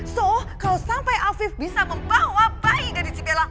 so kalau sampai hafif bisa membawa bayi dari bella